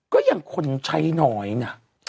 ก็อย่างขนใช้หน่อยน่ะ